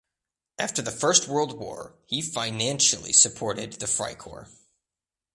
After the First World War he financially supported the Freikorps.